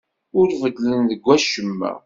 Ur beddlen deg wacemma.